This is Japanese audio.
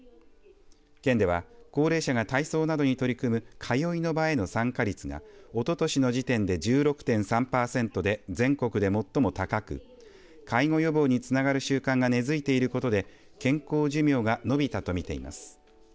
県では、高齢者が体操などに取り組む通いの場への参加率がおととしの時点で１６．３パーセントで全国で最も高く介護予防につながる習慣が根づいていることで健康寿命が延びたと見ています。